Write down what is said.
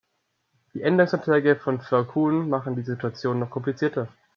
Die Änderungsanträge von Frau Kuhn machen diese Situation noch komplizierter.